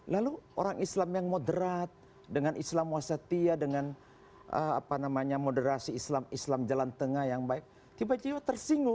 lalu orang islam yang moderat dengan islam wasatiyah dengan moderasi islam islam jalan tengah yang baik tiba tiba tersinggung